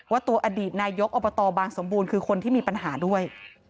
ว่าตัวอดีตนายกอบตบางสมบูรณ์คือคนที่มีปัญหาด้วย